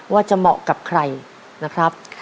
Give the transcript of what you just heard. ว่าจะเหมาะกับใครนะครับ